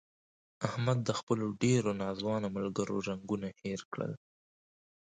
احمد د خپلو ډېرو ناځوانه ملګرو رنګون هیر کړل.